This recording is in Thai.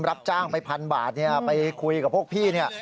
รับจ้างไปพันบาทไปคุยกับพวกพี่เนี่ย